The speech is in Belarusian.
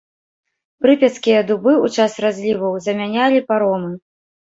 Прыпяцкія дубы ў час разліваў замянялі паромы.